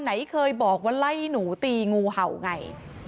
ไหนเคยบอกว่าไล่หนูตีงูเห่าไง